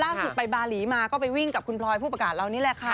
ล่าสุดไปบาหลีมาก็ไปวิ่งกับคุณพลอยผู้ประกาศเรานี่แหละค่ะ